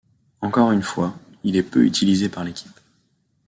Encore une fois, il est peu utilisé par l'équipe.